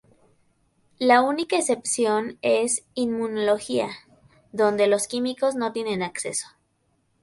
La única excepción es Inmunología, donde los químicos no tienen acceso.